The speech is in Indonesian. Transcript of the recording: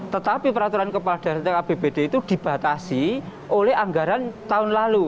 tetapi peraturan kepala daerah apbd itu dibatasi oleh anggaran tahun lalu